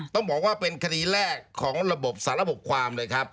ต้องบอกว่าเป็นคดีแรกของระบบสารบความเลยครับ